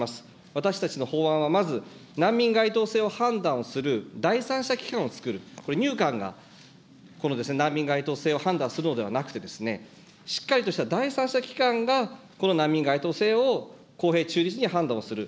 私たちの法案はまず、難民該当性を判断する第三者機関を作る、これ、入管が難民該当性を判断するのではなくて、しっかりとした第三者機関が、この難民該当性を公平中立に判断をする。